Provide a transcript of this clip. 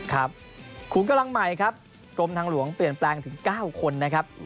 ขุมกำลังใหม่ครับกรมทางหลวงเปลี่ยนแปลงถึง๙คนนะครับ